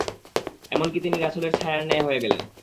এমনকি তিনি রাসূলের ছায়ার ন্যায় হয়ে গেলেন।